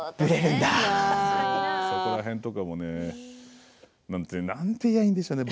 そこら辺とかも何て言えばいいでしょうかね